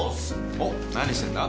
おっ何してんだ？